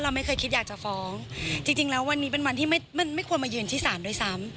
ไม่เคยคิดอยากจะฟ้องจริงแล้ววันนี้เป็นวันที่ไม่มันไม่ควรมายืนที่ศาลด้วยซ้ำ